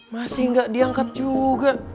masih gak diangkat juga